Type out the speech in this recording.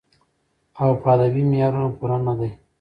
او پۀ ادبې معيارونو پوره نۀ دی